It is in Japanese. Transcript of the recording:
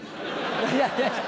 いやいや。